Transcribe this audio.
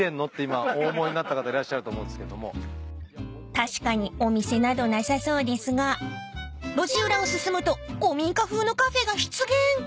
［確かにお店などなさそうですが路地裏を進むと古民家風のカフェが出現］